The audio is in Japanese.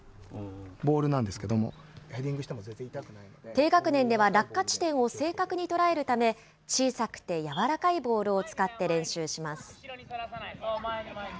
低学年では落下地点を正確に捉えるため、小さくて柔らかいボールを使って練習します。